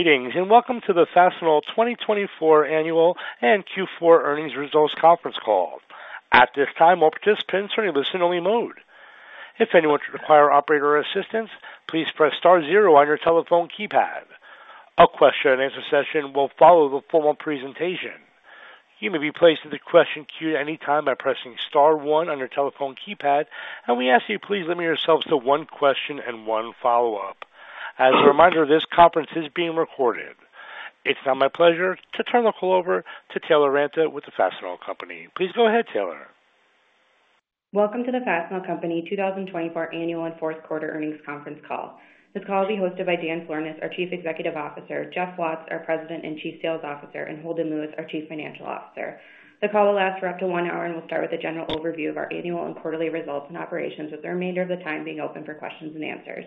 Greetings and welcome to the Fastenal 2024 Annual and Q4 Earnings Results Conference Call. At this time, all participants are in a listen-only mode. If anyone should require operator assistance, please press star zero on your telephone keypad. A question-and-answer session will follow the formal presentation. You may be placed in the question queue at any time by pressing star one on your telephone keypad, and we ask that you please limit yourselves to one question and one follow-up. As a reminder, this conference is being recorded. It's now my pleasure to turn the call over to Taylor Ranta with the Fastenal Company. Please go ahead, Taylor. Welcome to the Fastenal Company 2024 Annual and Fourth Quarter Earnings Conference Call. This call will be hosted by Dan Florness, our Chief Executive Officer, Jeff Watts, our President and Chief Sales Officer, and Holden Lewis, our Chief Financial Officer. The call will last for up to one hour, and we'll start with a general overview of our annual and quarterly results and operations, with the remainder of the time being open for questions and answers.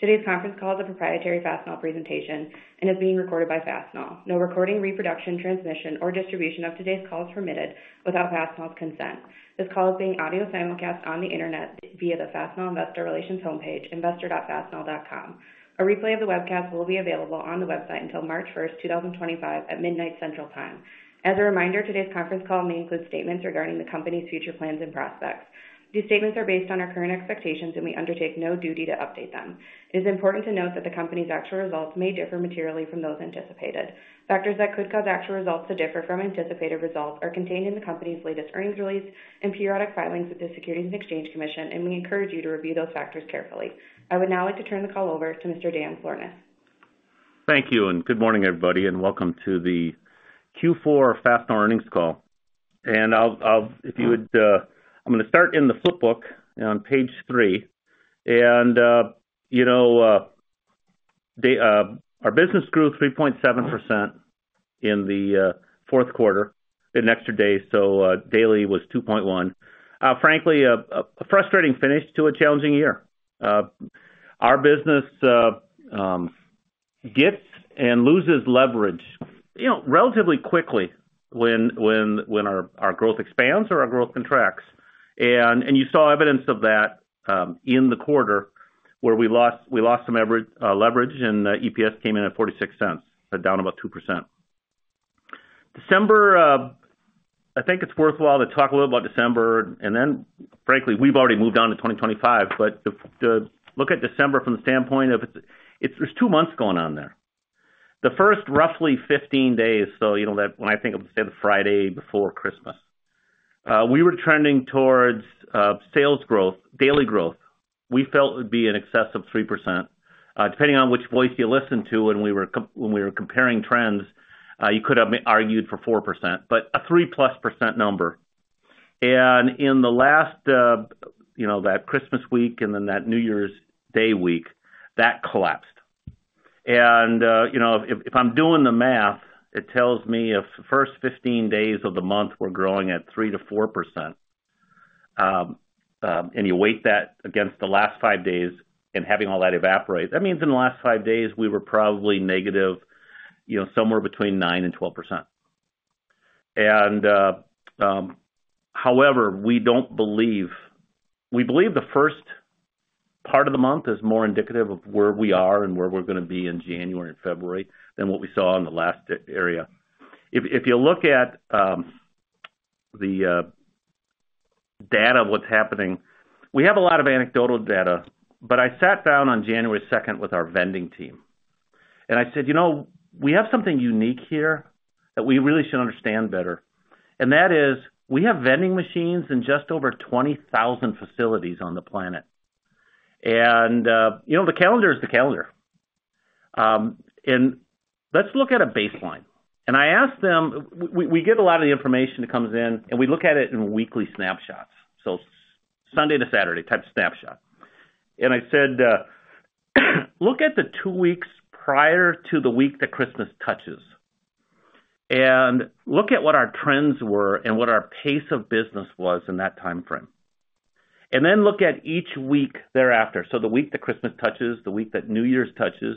Today's conference call is a proprietary Fastenal presentation and is being recorded by Fastenal. No recording, reproduction, transmission, or distribution of today's call is permitted without Fastenal's consent. This call is being audio simulcast on the internet via the Fastenal Investor Relations homepage, investor.fastenal.com. A replay of the webcast will be available on the website until March 1st, 2025, at midnight Central Time. As a reminder, today's conference call may include statements regarding the company's future plans and prospects. These statements are based on our current expectations, and we undertake no duty to update them. It is important to note that the company's actual results may differ materially from those anticipated. Factors that could cause actual results to differ from anticipated results are contained in the company's latest earnings release and periodic filings with the Securities and Exchange Commission, and we encourage you to review those factors carefully. I would now like to turn the call over to Mr. Dan Florness. Thank you, and good morning, everybody, and welcome to the Q4 Fastenal Earnings Call. If you would, I'm going to start in the Flipbook on page three. Our business grew 3.7% in the fourth quarter in extra days, so daily was 2.1. Frankly, a frustrating finish to a challenging year. Our business gets and loses leverage relatively quickly when our growth expands or our growth contracts. You saw evidence of that in the quarter where we lost some leverage, and EPS came in at $0.46, down about 2%. I think it's worthwhile to talk a little about December, and then, frankly, we've already moved on to 2025. To look at December from the standpoint of, there's two months going on there. The first roughly 15 days, so when I think of, say, the Friday before Christmas, we were trending towards sales growth, daily growth. We felt it would be in excess of 3%. Depending on which voice you listen to when we were comparing trends, you could have argued for 4%, but a 3-plus% number. In the last, that Christmas week and then that New Year's Day week, that collapsed. If I'm doing the math, it tells me if the first 15 days of the month were growing at 3%-4%, and you weight that against the last five days and having all that evaporate, that means in the last five days we were probably negative somewhere between 9% and 12%. However, we believe the first part of the month is more indicative of where we are and where we're going to be in January and February than what we saw in the last area. If you look at the data of what's happening, we have a lot of anecdotal data, but I sat down on January 2nd with our vending team, and I said, "We have something unique here that we really should understand better." That is, we have vending machines in just over 20,000 facilities on the planet, and the calendar is the calendar. Let's look at a baseline, and I asked them, we get a lot of the information that comes in, and we look at it in weekly snapshots, so Sunday to Saturday type of snapshot, and I said, "Look at the two weeks prior to the week that Christmas touches, and look at what our trends were and what our pace of business was in that time frame. And then look at each week thereafter, so the week that Christmas touches, the week that New Year's touches,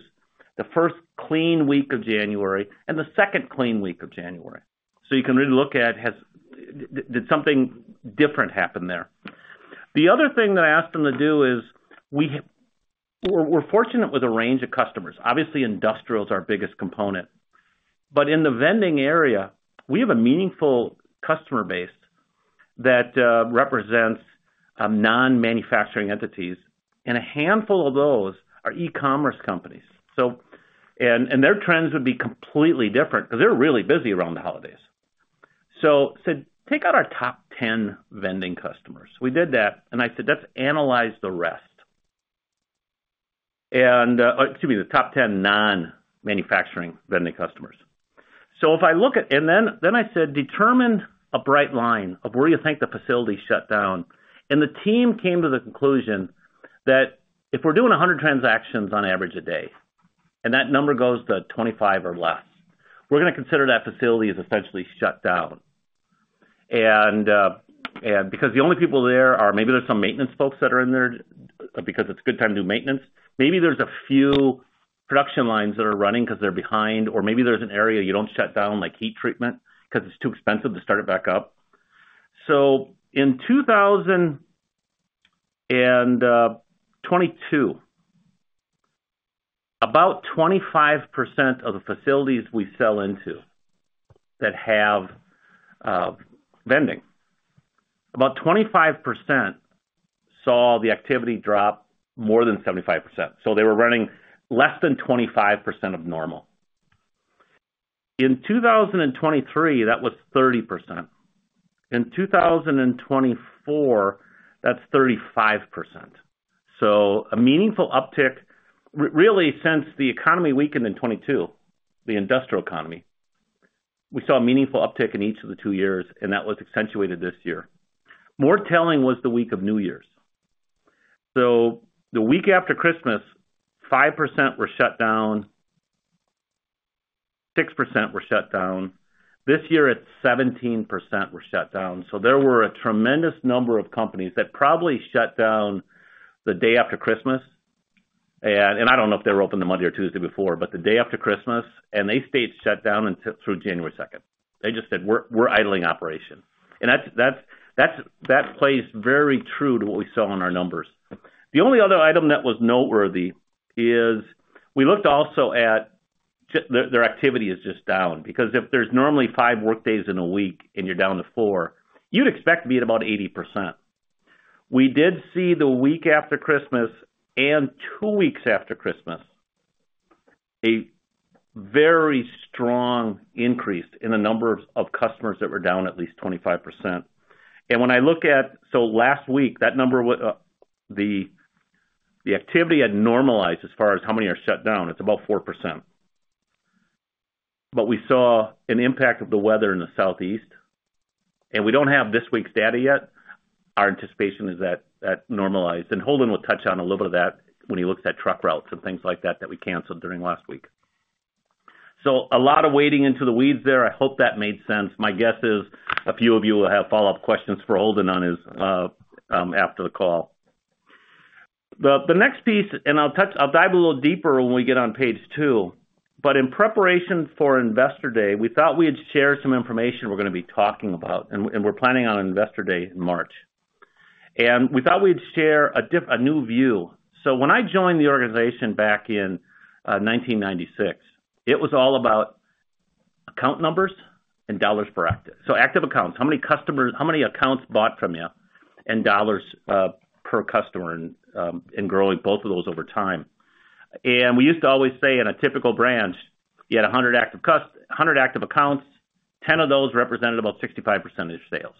the first clean week of January, and the second clean week of January." So you can really look at, did something different happen there? The other thing that I asked them to do is, we're fortunate with a range of customers. Obviously, industrial is our biggest component, but in the vending area, we have a meaningful customer base that represents non-manufacturing entities, and a handful of those are e-commerce companies. And their trends would be completely different because they're really busy around the holidays. So I said, "Take out our top 10 vending customers." We did that, and I said, "Let's analyze the rest." Excuse me, the top 10 non-manufacturing vending customers. So if I look at, and then I said, "Determine a bright line of where you think the facility shut down." And the team came to the conclusion that if we're doing 100 transactions on average a day, and that number goes to 25 or less, we're going to consider that facility is essentially shut down. And because the only people there are, maybe there's some maintenance folks that are in there because it's a good time to do maintenance. Maybe there's a few production lines that are running because they're behind, or maybe there's an area you don't shut down like heat treatment because it's too expensive to start it back up. So in 2022, about 25% of the facilities we sell into that have vending, about 25% saw the activity drop more than 75%. So they were running less than 25% of normal. In 2023, that was 30%. In 2024, that's 35%. So a meaningful uptick, really, since the economy weakened in 2022, the industrial economy, we saw a meaningful uptick in each of the two years, and that was accentuated this year. More telling was the week of New Year's. So the week after Christmas, 5% were shut down, 6% were shut down. This year, it's 17% were shut down. So there were a tremendous number of companies that probably shut down the day after Christmas. And I don't know if they were open the Monday or Tuesday before, but the day after Christmas, and they stayed shut down through January 2nd. They just said, "We're idling operation." And that plays very true to what we saw in our numbers. The only other item that was noteworthy is we looked also at their activity is just down because if there's normally five workdays in a week and you're down to four, you'd expect to be at about 80%. We did see the week after Christmas and two weeks after Christmas a very strong increase in the number of customers that were down at least 25%. When I look at so last week that number, the activity had normalized as far as how many are shut down. It's about 4%. We saw an impact of the weather in the Southeast, and we don't have this week's data yet. Our anticipation is that that normalized. Holden will touch on a little bit of that when he looks at truck routes and things like that that we canceled during last week. There is a lot of getting into the weeds there. I hope that made sense. My guess is a few of you will have follow-up questions for Holden on this after the call. The next piece, and I'll dive a little deeper when we get on page two, but in preparation for Investor Day, we thought we had shared some information we're going to be talking about, and we're planning on Investor Day in March. We thought we'd share a new view. When I joined the organization back in 1996, it was all about account numbers and dollars per act. Active accounts, how many accounts bought from you and dollars per customer and growing both of those over time. We used to always say in a typical branch, you had 100 active accounts, 10 of those represented about 65% of your sales.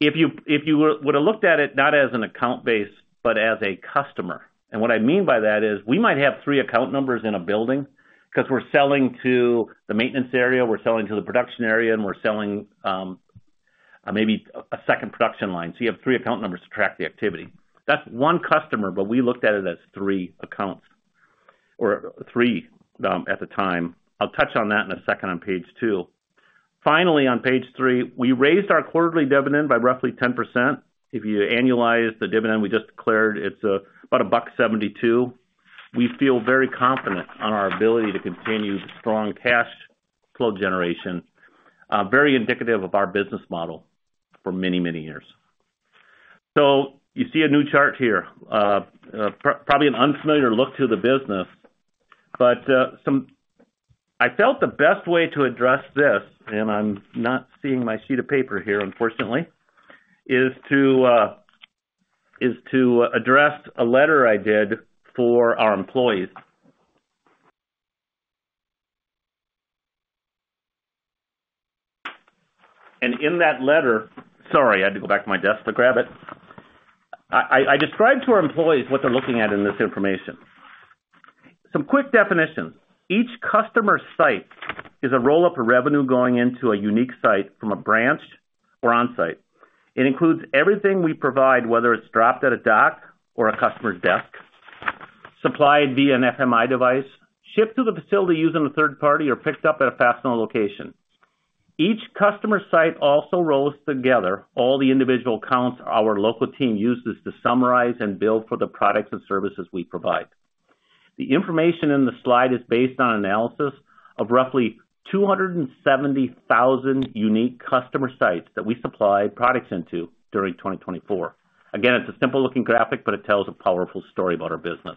If you would have looked at it not as an account base, but as a customer, and what I mean by that is we might have three account numbers in a building because we're selling to the maintenance area, we're selling to the production area, and we're selling maybe a second production line, so you have three account numbers to track the activity. That's one customer, but we looked at it as three accounts or three at the time. I'll touch on that in a second on page two. Finally, on page three, we raised our quarterly dividend by roughly 10%. If you annualize the dividend we just declared, it's about $1.72. We feel very confident on our ability to continue strong cash flow generation, very indicative of our business model for many, many years. So you see a new chart here, probably an unfamiliar look to the business, but I felt the best way to address this, and I'm not seeing my sheet of paper here, unfortunately, is to address a letter I did for our employees. And in that letter, sorry, I had to go back to my desk to grab it. I described to our employees what they're looking at in this information. Some quick definitions. Each customer site is a roll-up of revenue going into a unique site from a branch or Onsite. It includes everything we provide, whether it's dropped at a dock or a customer's desk, supplied via an FMI device, shipped to the facility using a third party, or picked up at a Fastenal location. Each customer site also rolls together all the individual accounts our local team uses to summarize and build for the products and services we provide. The information in the slide is based on analysis of roughly 270,000 unique customer sites that we supplied products into during 2024. Again, it's a simple-looking graphic, but it tells a powerful story about our business.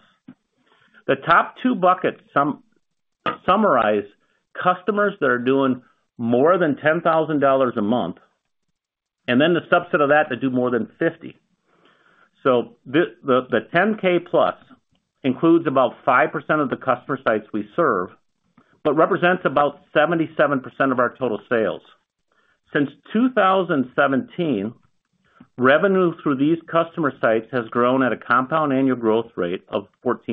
The top two buckets summarize customers that are doing more than $10,000 a month, and then the subset of that that do more than 50. So the 10K plus includes about 5% of the customer sites we serve, but represents about 77% of our total sales. Since 2017, revenue through these customer sites has grown at a compound annual growth rate of 14%.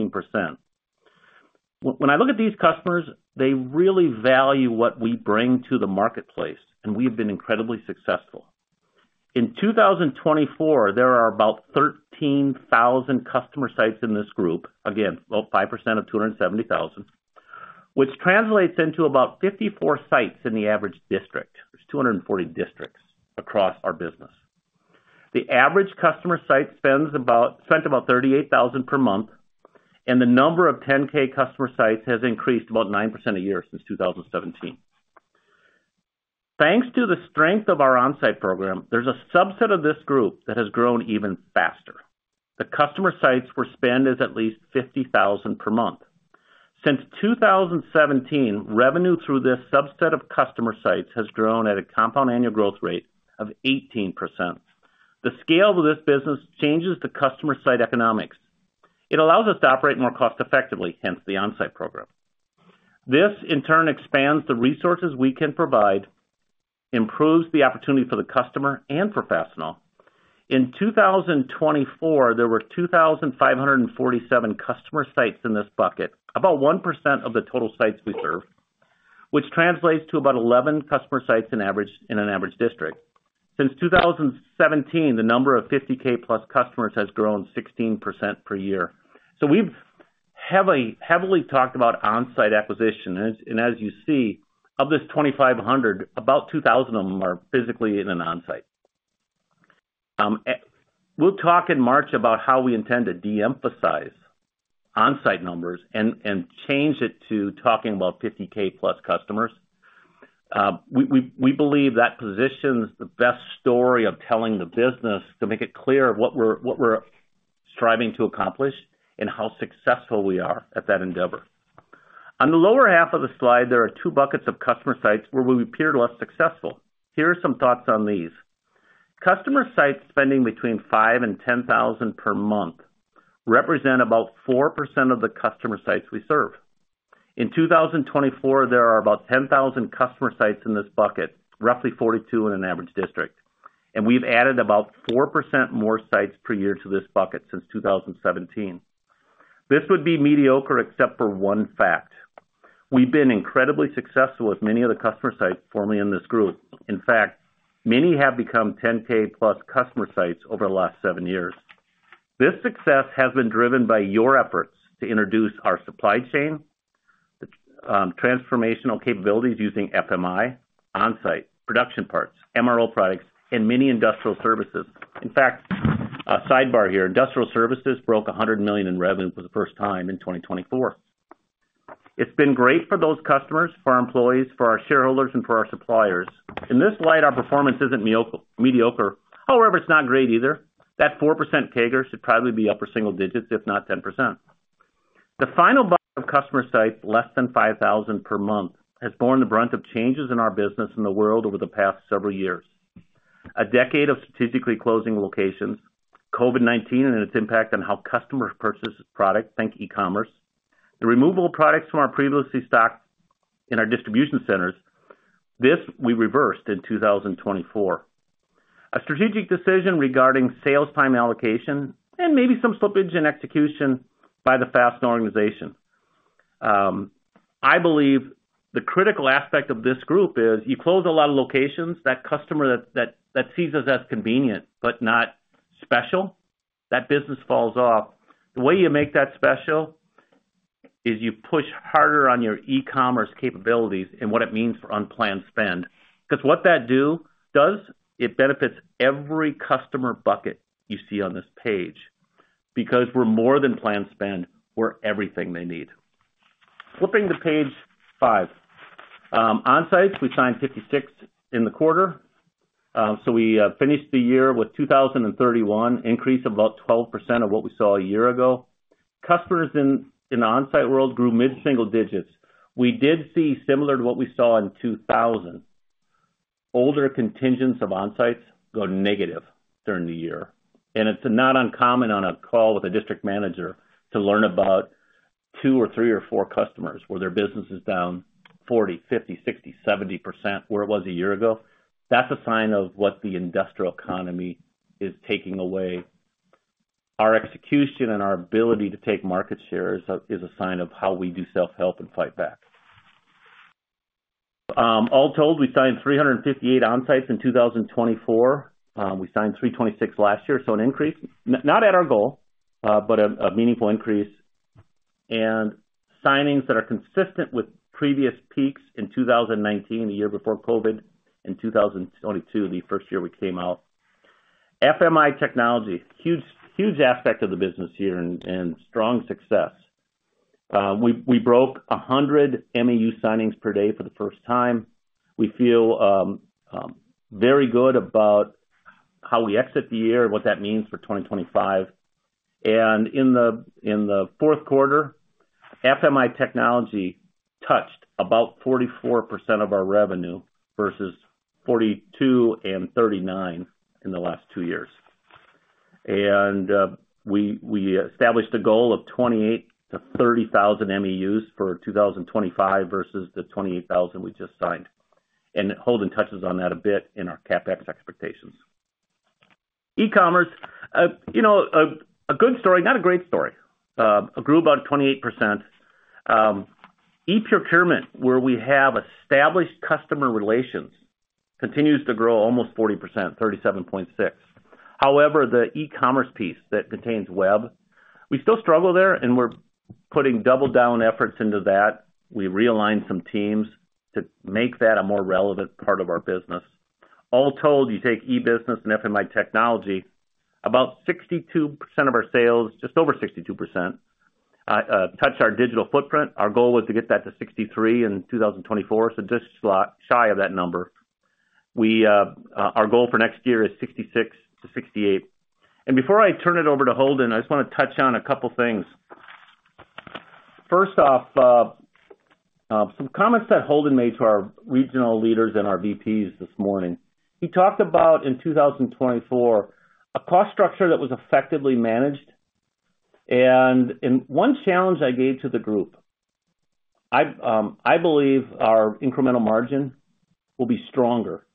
When I look at these customers, they really value what we bring to the marketplace, and we have been incredibly successful. In 2024, there are about 13,000 customer sites in this group, again, about 5% of 270,000, which translates into about 54 sites in the average district. There's 240 districts across our business. The average customer site spent about $38,000 per month, and the number of $10K customer sites has increased about 9% a year since 2017. Thanks to the strength of our Onsite program, there's a subset of this group that has grown even faster. The customer sites that spent at least $50,000 per month. Since 2017, revenue through this subset of customer sites has grown at a compound annual growth rate of 18%. The scale of this business changes the customer site economics. It allows us to operate more cost-effectively, hence the Onsite program. This, in turn, expands the resources we can provide, improves the opportunity for the customer and for Fastenal. In 2024, there were 2,547 customer sites in this bucket, about 1% of the total sites we serve, which translates to about 11 customer sites in an average district. Since 2017, the number of 50K plus customers has grown 16% per year, so we've heavily talked about Onsite acquisition, and as you see, of this 2,500, about 2,000 of them are physically in an Onsite. We'll talk in March about how we intend to de-emphasize Onsite numbers and change it to talking about 50K plus customers. We believe that positions the best story of telling the business to make it clear what we're striving to accomplish and how successful we are at that endeavor. On the lower half of the slide, there are two buckets of customer sites where we appeared less successful. Here are some thoughts on these. Customer sites spending between $5,000 and $10,000 per month represent about 4% of the customer sites we serve. In 2024, there are about 10,000 customer sites in this bucket, roughly 42 in an average district. And we've added about 4% more sites per year to this bucket since 2017. This would be mediocre except for one fact. We've been incredibly successful with many of the customer sites formerly in this group. In fact, many have become 10K plus customer sites over the last seven years. This success has been driven by your efforts to introduce our supply chain, the transformational capabilities using FMI, Onsite, production parts, MRO products, and many industrial services. In fact, sidebar here, industrial services broke $100 million in revenue for the first time in 2024. It's been great for those customers, for our employees, for our shareholders, and for our suppliers. In this light, our performance isn't mediocre. However, it's not great either. That 4% CAGR should probably be upper single digits, if not 10%. The final bucket of customer sites, less than 5,000 per month, has borne the brunt of changes in our business and the world over the past several years. A decade of strategically closing locations, COVID-19 and its impact on how customers purchase products, think e-commerce, the removal of products from our previously stocked in our distribution centers, this we reversed in 2024. A strategic decision regarding sales time allocation and maybe some slippage in execution by the Fastenal organization. I believe the critical aspect of this group is you close a lot of locations. That customer that sees us as convenient but not special, that business falls off. The way you make that special is you push harder on your e-commerce capabilities and what it means for unplanned spend. Because what that does, it benefits every customer bucket you see on this page because we're more than planned spend. We're everything they need. Flipping to page five. Onsite, we signed 56 in the quarter. So we finished the year with 2,031, increase of about 12% of what we saw a year ago. Customers in the Onsite world grew mid-single digits. We did see similar to what we saw in 2000. Older contingents of Onsites go negative during the year, and it's not uncommon on a call with a district manager to learn about two or three or four customers where their business is down 40%, 50%, 60%, 70% where it was a year ago. That's a sign of what the industrial economy is taking away. Our execution and our ability to take market shares is a sign of how we do self-help and fight back. All told, we signed 358 Onsites in 2024. We signed 326 last year, so an increase, not at our goal, but a meaningful increase. And signings that are consistent with previous peaks in 2019, the year before COVID, and 2022, the first year we came out. FMI technology, huge aspect of the business here and strong success. We broke 100 MEU signings per day for the first time. We feel very good about how we exit the year and what that means for 2025. And in the fourth quarter, FMI technology touched about 44% of our revenue versus 42% and 39% in the last two years. And we established a goal of 28,000-30,000 MEUs for 2025 versus the 28,000 we just signed. Holden touches on that a bit in our CapEx expectations. E-commerce, a good story, not a great story. Grew about 28%. E-procurement, where we have established customer relations, continues to grow almost 40%, 37.6%. However, the e-commerce piece that contains web, we still struggle there, and we're putting double-down efforts into that. We realigned some teams to make that a more relevant part of our business. All told, you take e-business and FMI technology, about 62% of our sales, just over 62%, touch our digital footprint. Our goal was to get that to 63% in 2024, so just shy of that number. Our goal for next year is 66%-68%. Before I turn it over to Holden, I just want to touch on a couple of things. First off, some comments that Holden made to our regional leaders and our VPs this morning. He talked about in 2024 a cost structure that was effectively managed. One challenge I gave to the group is that I believe our incremental margin will be stronger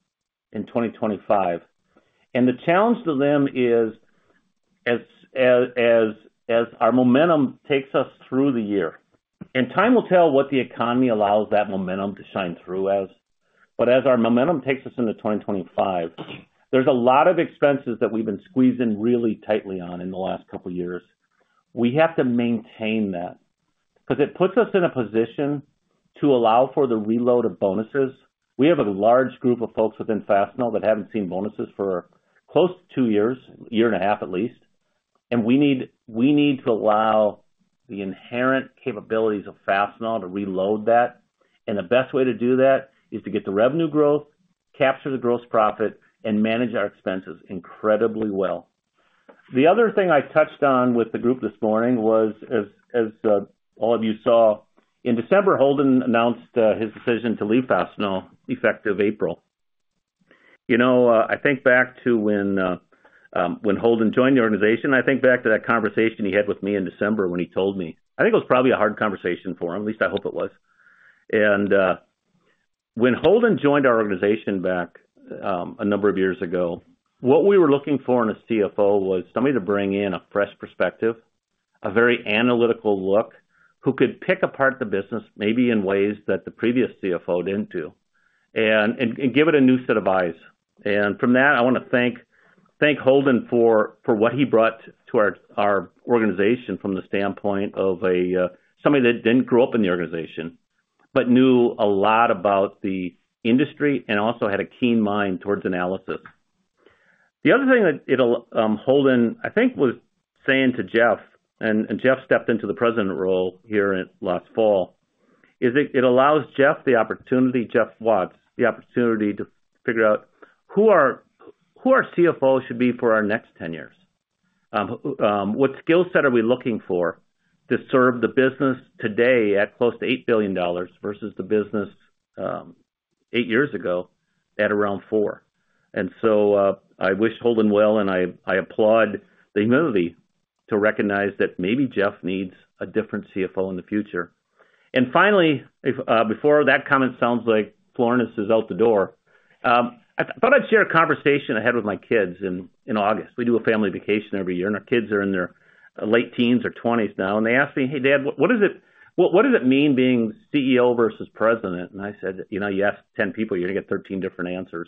in 2025. The challenge to them is, as our momentum takes us through the year, time will tell what the economy allows that momentum to shine through as. But as our momentum takes us into 2025, there is a lot of expenses that we have been squeezing really tightly on in the last couple of years. We have to maintain that because it puts us in a position to allow for the reload of bonuses. We have a large group of folks within Fastenal that have not seen bonuses for close to two years, a year and a half at least. We need to allow the inherent capabilities of Fastenal to reload that. The best way to do that is to get the revenue growth, capture the gross profit, and manage our expenses incredibly well. The other thing I touched on with the group this morning was, as all of you saw, in December, Holden announced his decision to leave Fastenal effective April. I think back to when Holden joined the organization. I think back to that conversation he had with me in December when he told me. I think it was probably a hard conversation for him. At least I hope it was. When Holden joined our organization back a number of years ago, what we were looking for in a CFO was somebody to bring in a fresh perspective, a very analytical look, who could pick apart the business maybe in ways that the previous CFO didn't do, and give it a new set of eyes. From that, I want to thank Holden for what he brought to our organization from the standpoint of somebody that didn't grow up in the organization but knew a lot about the industry and also had a keen mind towards analysis. The other thing that Holden, I think, was saying to Jeff, and Jeff stepped into the president role here last fall, is it allows Jeff the opportunity, Jeff Watts, the opportunity to figure out who our CFO should be for our next 10 years. What skill set are we looking for to serve the business today at close to $8 billion versus the business eight years ago at around $4 billion? So I wish Holden well, and I applaud the move to recognize that maybe Jeff needs a different CFO in the future. Finally, before that comment sounds like Florness is out the door, I thought I'd share a conversation I had with my kids in August. We do a family vacation every year, and our kids are in their late teens or 20s now. They asked me, "Hey, Dad, what does it mean being CEO versus president?" I said, "You asked 10 people, you're going to get 13 different answers."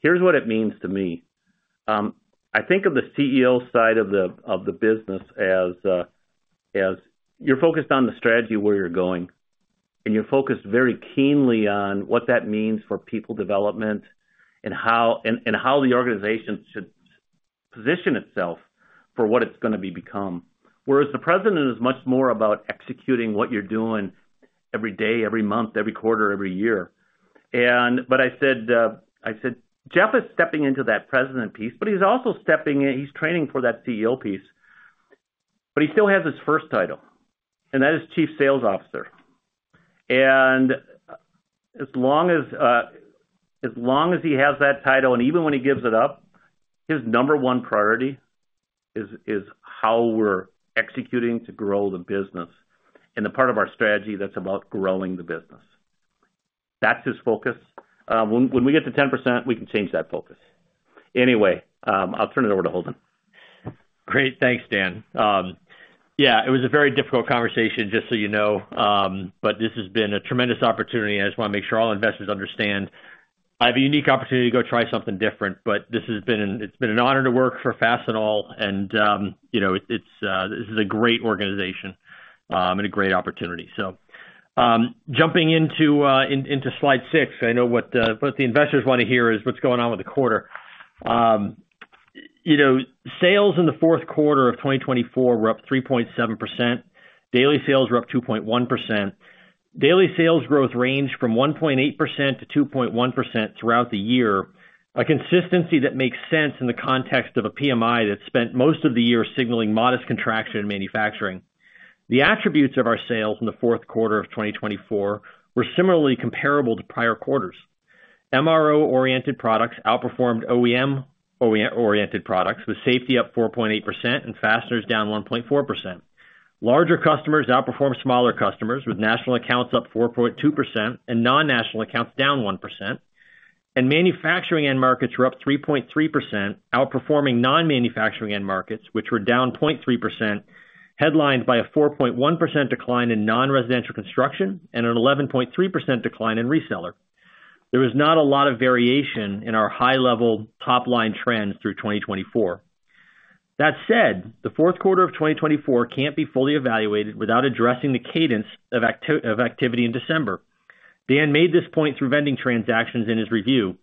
Here's what it means to me. I think of the CEO side of the business as you're focused on the strategy where you're going, and you're focused very keenly on what that means for people development and how the organization should position itself for what it's going to become. Whereas the president is much more about executing what you're doing every day, every month, every quarter, every year. But I said, "Jeff is stepping into that president piece, but he's also stepping in, he's training for that CEO piece, but he still has his first title, and that is Chief Sales Officer," and as long as he has that title, and even when he gives it up, his number one priority is how we're executing to grow the business and the part of our strategy that's about growing the business. That's his focus. When we get to 10%, we can change that focus. Anyway, I'll turn it over to Holden. Great. Thanks, Dan. Yeah, it was a very difficult conversation, just so you know, but this has been a tremendous opportunity. I just want to make sure all investors understand I have a unique opportunity to go try something different, but it's been an honor to work for Fastenal, and this is a great organization and a great opportunity. So jumping into slide six, I know what the investors want to hear is what's going on with the quarter. Sales in the fourth quarter of 2024 were up 3.7%. Daily sales were up 2.1%. Daily sales growth ranged from 1.8%-2.1% throughout the year, a consistency that makes sense in the context of a PMI that spent most of the year signaling modest contraction in manufacturing. The attributes of our sales in the fourth quarter of 2024 were similarly comparable to prior quarters. MRO-oriented products outperformed OEM-oriented products with safety up 4.8% and fasteners down 1.4%. Larger customers outperformed smaller customers with National Accounts up 4.2% and non-National Accounts down 1%. And manufacturing end markets were up 3.3%, outperforming non-manufacturing end markets, which were down 0.3%, headlined by a 4.1% decline in non-residential construction and an 11.3% decline in reseller. There was not a lot of variation in our high-level top-line trends through 2024. That said, the fourth quarter of 2024 can't be fully evaluated without addressing the cadence of activity in December. Dan made this point through vending transactions in his review.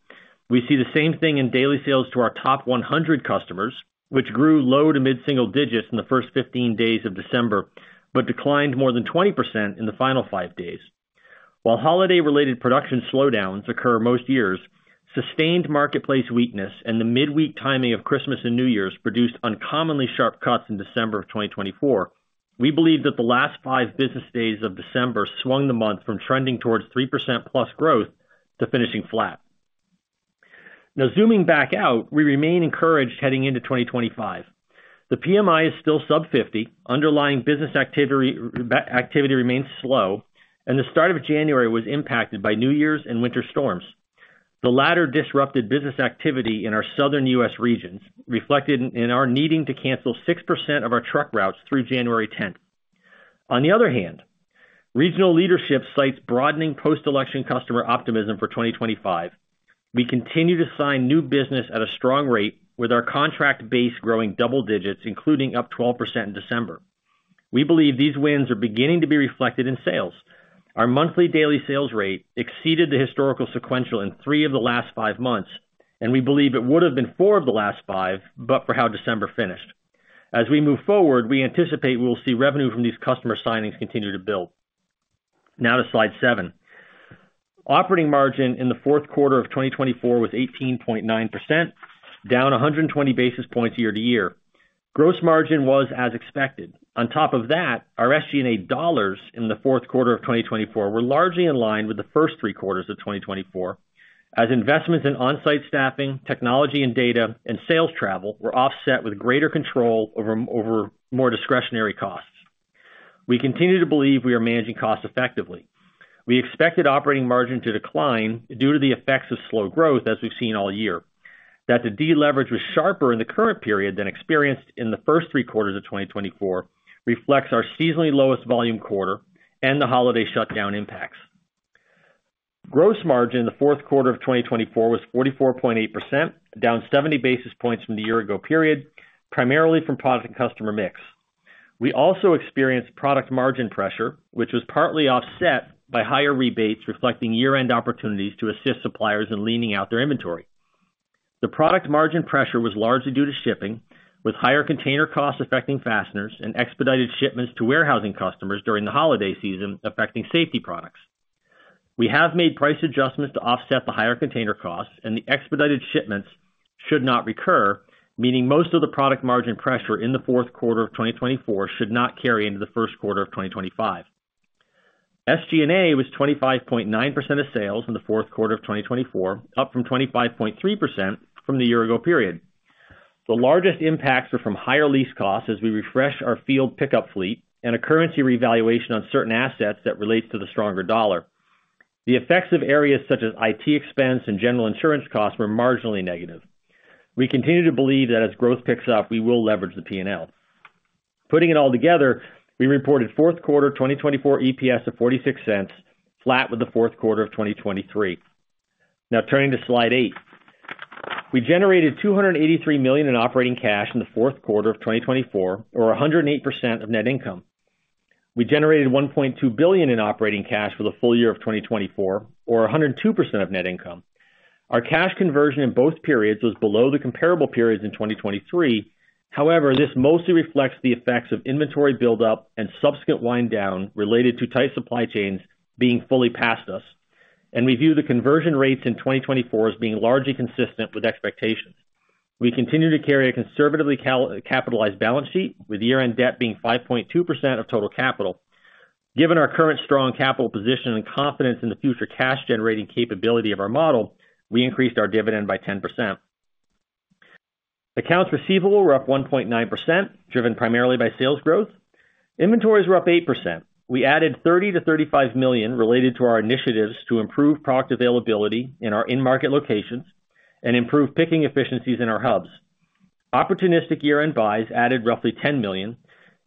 We see the same thing in daily sales to our top 100 customers, which grew low to mid-single digits in the first 15 days of December but declined more than 20% in the final five days. While holiday-related production slowdowns occur most years, sustained marketplace weakness, and the midweek timing of Christmas and New Year's produced uncommonly sharp cuts in December of 2024, we believe that the last five business days of December swung the month from trending towards 3% plus growth to finishing flat. Now, zooming back out, we remain encouraged heading into 2025. The PMI is still sub-50, underlying business activity remains slow, and the start of January was impacted by New Year's and winter storms. The latter disrupted business activity in our southern U.S. regions, reflected in our needing to cancel 6% of our truck routes through January 10th. On the other hand, regional leadership cites broadening post-election customer optimism for 2025. We continue to sign new business at a strong rate with our contract base growing double digits, including up 12% in December. We believe these wins are beginning to be reflected in sales. Our monthly daily sales rate exceeded the historical sequential in three of the last five months, and we believe it would have been four of the last five, but for how December finished. As we move forward, we anticipate we will see revenue from these customer signings continue to build. Now to slide seven. Operating margin in the fourth quarter of 2024 was 18.9%, down 120 basis points year to year. Gross margin was as expected. On top of that, our SG&A dollars in the fourth quarter of 2024 were largely in line with the first three quarters of 2024, as investments in Onsite staffing, technology and data, and sales travel were offset with greater control over more discretionary costs. We continue to believe we are managing costs effectively. We expected operating margin to decline due to the effects of slow growth as we've seen all year. That the deleverage was sharper in the current period than experienced in the first three quarters of 2024 reflects our seasonally lowest volume quarter and the holiday shutdown impacts. Gross margin in the fourth quarter of 2024 was 44.8%, down 70 basis points from the year-ago period, primarily from product and customer mix. We also experienced product margin pressure, which was partly offset by higher rebates reflecting year-end opportunities to assist suppliers in leaning out their inventory. The product margin pressure was largely due to shipping, with higher container costs affecting fasteners and expedited shipments to warehousing customers during the holiday season affecting safety products. We have made price adjustments to offset the higher container costs, and the expedited shipments should not recur, meaning most of the product margin pressure in the fourth quarter of 2024 should not carry into the first quarter of 2025. SG&A was 25.9% of sales in the fourth quarter of 2024, up from 25.3% from the year-ago period. The largest impacts were from higher lease costs as we refreshed our field pickup fleet and a currency revaluation on certain assets that relates to the stronger dollar. The effects of areas such as IT expense and general insurance costs were marginally negative. We continue to believe that as growth picks up, we will leverage the P&L. Putting it all together, we reported fourth quarter 2024 EPS of $0.46, flat with the fourth quarter of 2023. Now turning to slide eight. We generated $283 million in operating cash in the fourth quarter of 2024, or 108% of net income. We generated $1.2 billion in operating cash for the full year of 2024, or 102% of net income. Our cash conversion in both periods was below the comparable periods in 2023. However, this mostly reflects the effects of inventory buildup and subsequent wind down related to tight supply chains being fully past us, and we view the conversion rates in 2024 as being largely consistent with expectations. We continue to carry a conservatively capitalized balance sheet with year-end debt being 5.2% of total capital. Given our current strong capital position and confidence in the future cash-generating capability of our model, we increased our dividend by 10%. Accounts receivable were up 1.9%, driven primarily by sales growth. Inventories were up 8%. We added $30 million-$35 million related to our initiatives to improve product availability in our in-market locations and improve picking efficiencies in our hubs. Opportunistic year-end buys added roughly $10 million,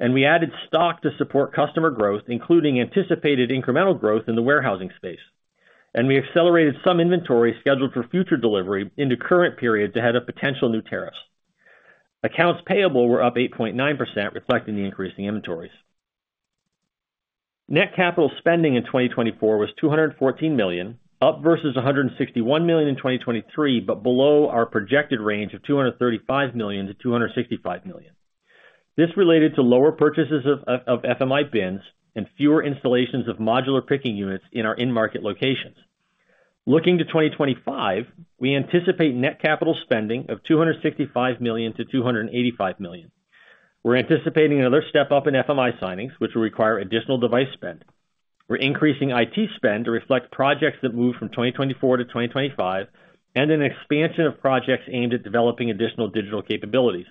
and we added stock to support customer growth, including anticipated incremental growth in the warehousing space, and we accelerated some inventory scheduled for future delivery into current periods ahead of potential new tariffs. Accounts payable were up 8.9%, reflecting the increase in inventories. Net capital spending in 2024 was $214 million, up versus $161 million in 2023, but below our projected range of $235 million-$265 million. This related to lower purchases of FMI bins and fewer installations of modular picking units in our in-market locations. Looking to 2025, we anticipate net capital spending of $265 million-$285 million. We're anticipating another step up in FMI signings, which will require additional device spend. We're increasing IT spend to reflect projects that move from 2024-2025 and an expansion of projects aimed at developing additional digital capabilities.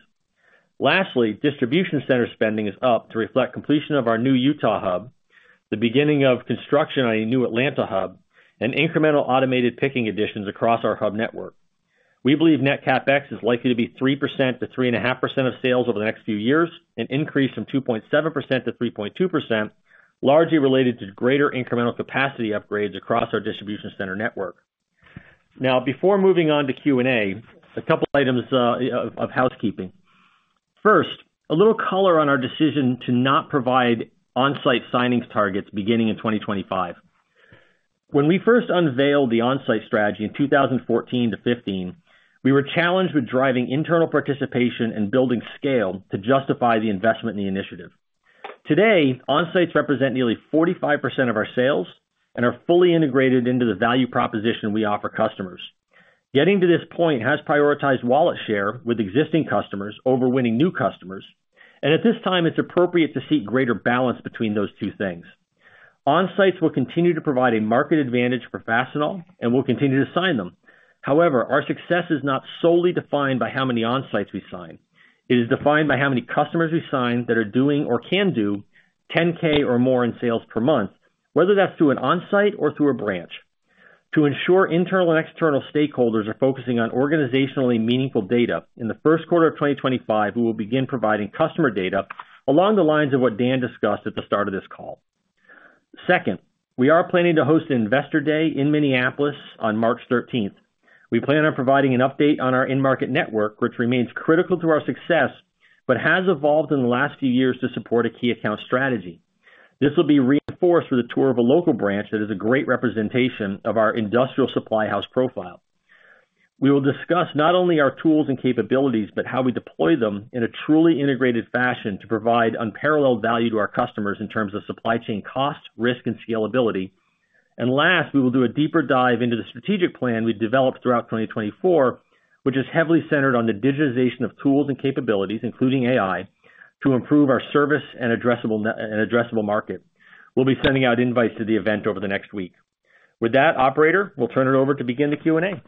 Lastly, distribution center spending is up to reflect completion of our new Utah hub, the beginning of construction on a new Atlanta hub, and incremental automated picking additions across our hub network. We believe net capex is likely to be 3%-3.5% of sales over the next few years and increase from 2.7%-3.2%, largely related to greater incremental capacity upgrades across our distribution center network. Now, before moving on to Q&A, a couple of items of housekeeping. First, a little color on our decision to not provide Onsite signings targets beginning in 2025. When we first unveiled the Onsite strategy in 2014-2015, we were challenged with driving internal participation and building scale to justify the investment in the initiative. Today, Onsites represent nearly 45% of our sales and are fully integrated into the value proposition we offer customers. Getting to this point has prioritized wallet share with existing customers over winning new customers, and at this time, it's appropriate to seek greater balance between those two things. Onsites will continue to provide a market advantage for Fastenal and will continue to sign them. However, our success is not solely defined by how many Onsites we sign. It is defined by how many customers we sign that are doing or can do 10K or more in sales per month, whether that's through an Onsite or through a branch. To ensure internal and external stakeholders are focusing on organizationally meaningful data, in the first quarter of 2025, we will begin providing customer data along the lines of what Dan discussed at the start of this call. Second, we are planning to host an Investor Day in Minneapolis on March 13th. We plan on providing an update on our in-market network, which remains critical to our success but has evolved in the last few years to support a key account strategy. This will be reinforced with a tour of a local branch that is a great representation of our industrial supply house profile. We will discuss not only our tools and capabilities, but how we deploy them in a truly integrated fashion to provide unparalleled value to our customers in terms of supply chain cost, risk, and scalability, and last, we will do a deeper dive into the strategic plan we've developed throughout 2024, which is heavily centered on the digitization of tools and capabilities, including AI, to improve our service and addressable market. We'll be sending out invites to the event over the next week. With that, operator, we'll turn it over to begin the Q&A.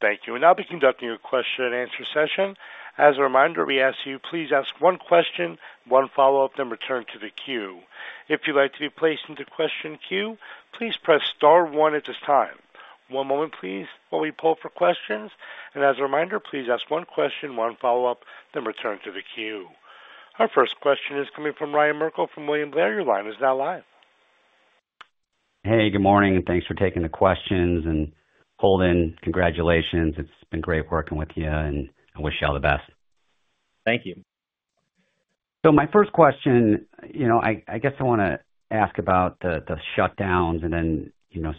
Thank you, and I'll be conducting a question-and-answer session. As a reminder, we ask you please ask one question, one follow-up, then return to the queue. If you'd like to be placed into the question queue, please press star one at this time. One moment, please, while we poll for questions, and as a reminder, please ask one question, one follow-up, then return to the queue. Our first question is coming from Ryan Merkel from William Blair. Your line is now live. Hey, good morning. Thanks for taking the questions and holding. Congratulations. It's been great working with you, and I wish you all the best. Thank you. So my first question, I guess I want to ask about the shutdowns and then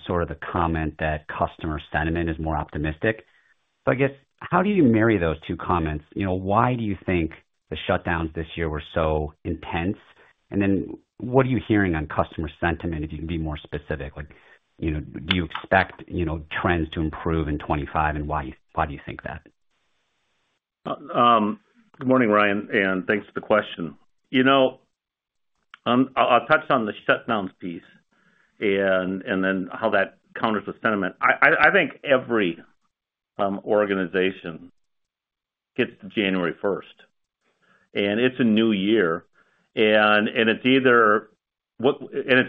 sort of the comment that customer sentiment is more optimistic. So I guess, how do you marry those two comments? Why do you think the shutdowns this year were so intense? And then what are you hearing on customer sentiment, if you can be more specific? Do you expect trends to improve in 2025, and why do you think that? Good morning, Ryan, and thanks for the question. I'll touch on the shutdowns piece and then how that counters the sentiment. I think every organization gets to January 1st, and it's a new year. And it's either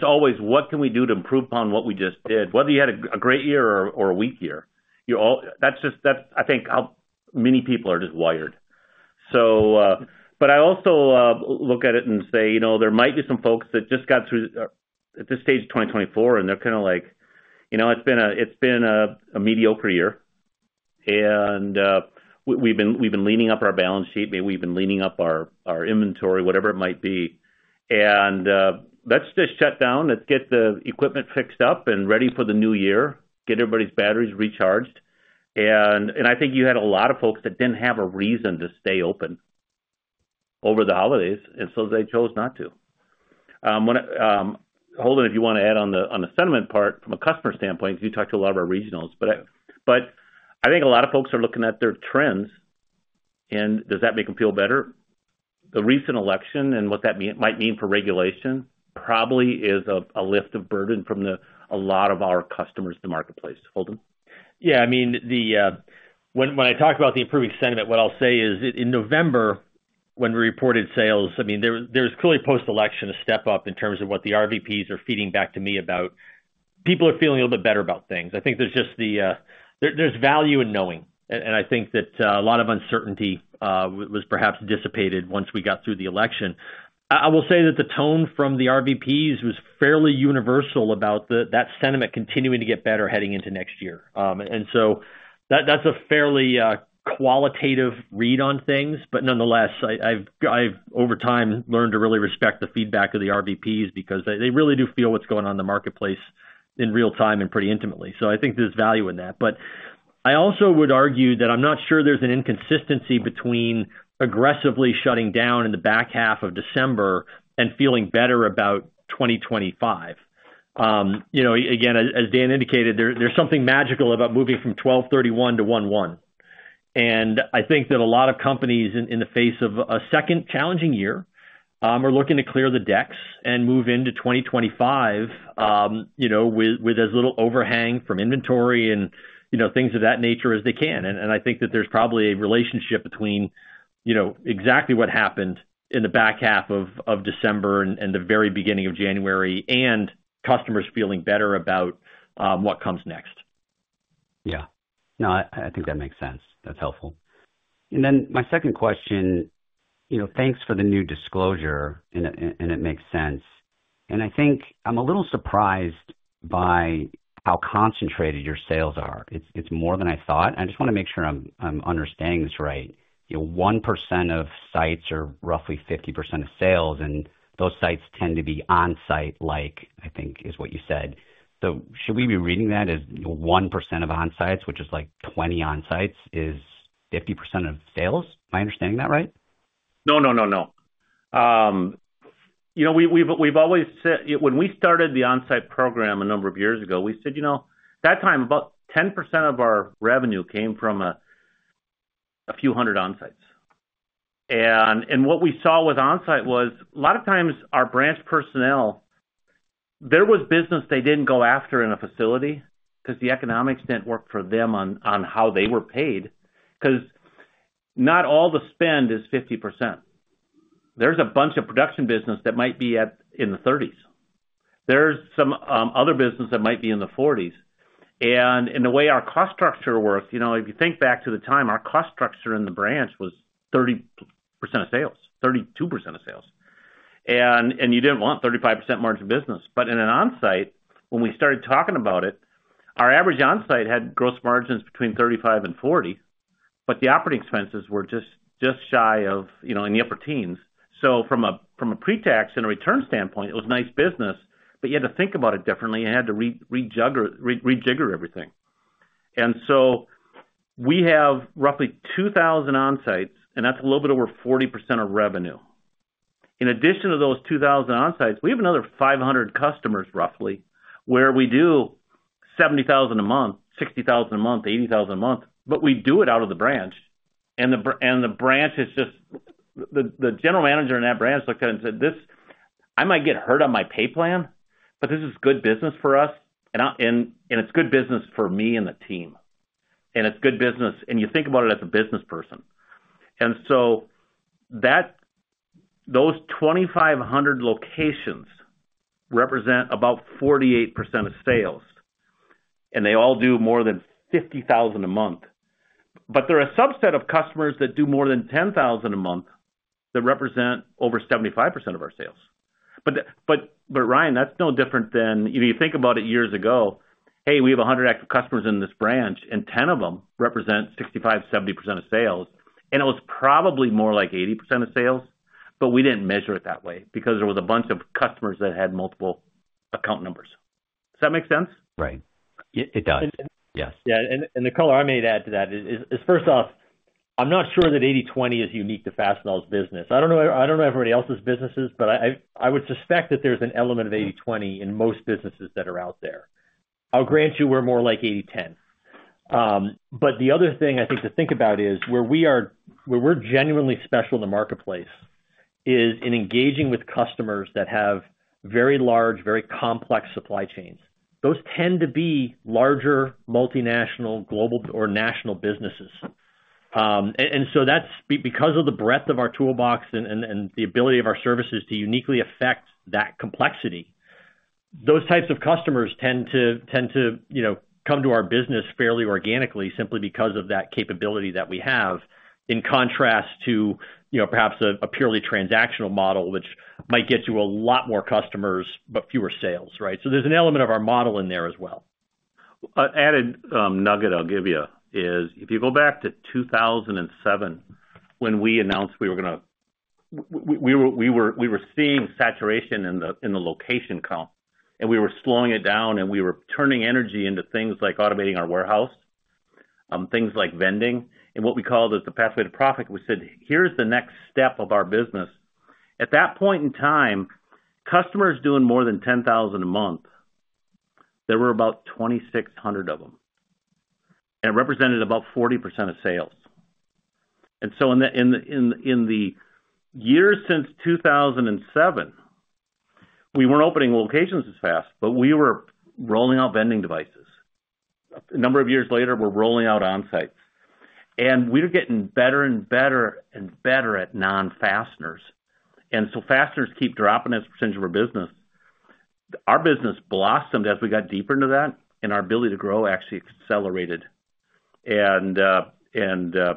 always, what can we do to improve upon what we just did? Whether you had a great year or a weak year, that's just, I think, how many people are just wired. But I also look at it and say there might be some folks that just got through at this stage of 2024, and they're kind of like, it's been a mediocre year. And we've been cleaning up our balance sheet. We've been cleaning up our inventory, whatever it might be. And let's just shut down. Let's get the equipment fixed up and ready for the new year. Get everybody's batteries recharged. And I think you had a lot of folks that didn't have a reason to stay open over the holidays, and so they chose not to. Holden, if you want to add on the sentiment part from a customer standpoint, because you talked to a lot of our regionals. But I think a lot of folks are looking at their trends, and does that make them feel better? The recent election and what that might mean for regulation probably is a lift of burden from a lot of our customers in the marketplace. Holden. Yeah. I mean, when I talk about the improving sentiment, what I'll say is in November, when we reported sales, I mean, there was clearly post-election a step up in terms of what the RVPs are feeding back to me about. People are feeling a little bit better about things. I think there's just value in knowing. And I think that a lot of uncertainty was perhaps dissipated once we got through the election. I will say that the tone from the RVPs was fairly universal about that sentiment continuing to get better heading into next year. And so that's a fairly qualitative read on things. But nonetheless, I've, over time, learned to really respect the feedback of the RVPs because they really do feel what's going on in the marketplace in real time and pretty intimately. So I think there's value in that. But I also would argue that I'm not sure there's an inconsistency between aggressively shutting down in the back half of December and feeling better about 2025. Again, as Dan indicated, there's something magical about moving from 12/31 to 1/1. And I think that a lot of companies in the face of a second challenging year are looking to clear the decks and move into 2025 with as little overhang from inventory and things of that nature as they can. And I think that there's probably a relationship between exactly what happened in the back half of December and the very beginning of January and customers feeling better about what comes next. Yeah. No, I think that makes sense. That's helpful. And then my second question, thanks for the new disclosure, and it makes sense. And I think I'm a little surprised by how concentrated your sales are. It's more than I thought. I just want to make sure I'm understanding this right. 1% of sites are roughly 50% of sales, and those sites tend to be Onsite-like, I think, is what you said. So should we be reading that as 1% of Onsites, which is like 20 Onsites, is 50% of sales? Am I understanding that right? No, no, no, no. We've always said when we started the Onsite program a number of years ago, we said that time, about 10% of our revenue came from a few hundred Onsites. And what we saw with Onsite was a lot of times our branch personnel, there was business they didn't go after in a facility because the economics didn't work for them on how they were paid. Because not all the spend is 50%. There's a bunch of production business that might be in the 30s. There's some other business that might be in the 40s. And in the way our cost structure works, if you think back to the time, our cost structure in the branch was 30% of sales, 32% of sales. And you didn't want 35% margin of business. But in an Onsite, when we started talking about it, our average Onsite had gross margins between 35% and 40%, but the operating expenses were just shy of in the upper teens. So from a pre-tax and a return standpoint, it was nice business, but you had to think about it differently and had to rejigger everything. And so we have roughly 2,000 Onsites, and that's a little bit over 40% of revenue. In addition to those 2,000 Onsites, we have another 500 customers roughly where we do $70,000 a month, $60,000 a month, $80,000 a month, but we do it out of the branch. And the branch is just the general manager in that branch looked at it and said, "I might get hurt on my pay plan, but this is good business for us, and it's good business for me and the team. And it's good business. And you think about it as a business person." And so those 2,500 locations represent about 48% of sales, and they all do more than $50,000 a month. But there are a subset of customers that do more than $10,000 a month that represent over 75% of our sales. But Ryan, that's no different than you think about it years ago, "Hey, we have 100 active customers in this branch, and 10 of them represent 65%-70% of sales." And it was probably more like 80% of sales, but we didn't measure it that way because there was a bunch of customers that had multiple account numbers. Does that make sense? Right. It does. Yes. Yeah. And the color I would add to that is, first off, I'm not sure that 80/20 is unique to Fastenal's business. I don't know everybody else's businesses, but I would suspect that there's an element of 80/20 in most businesses that are out there. I'll grant you we're more like 80/10. But the other thing I think to think about is where we are genuinely special in the marketplace is in engaging with customers that have very large, very complex supply chains. Those tend to be larger multinational, global, or national businesses. And so because of the breadth of our toolbox and the ability of our services to uniquely affect that complexity, those types of customers tend to come to our business fairly organically simply because of that capability that we have in contrast to perhaps a purely transactional model, which might get you a lot more customers but fewer sales. Right? So there's an element of our model in there as well. Added nugget I'll give you is if you go back to 2007 when we announced we were going to, we were seeing saturation in the location comp, and we were slowing it down, and we were turning energy into things like automating our warehouse, things like vending. And what we called as the Pathway to Profit, we said, "Here's the next step of our business." At that point in time, customers doing more than $10,000 a month, there were about 2,600 of them. And it represented about 40% of sales. And so in the years since 2007, we weren't opening locations as fast, but we were rolling out vending devices. A number of years later, we're rolling out Onsites. And we were getting better and better and better at non-fasteners. And so fasteners keep dropping as a percentage of our business. Our business blossomed as we got deeper into that, and our ability to grow actually accelerated, and so